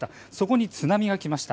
そこに津波が来ました。